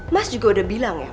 mas juga udah bilang ya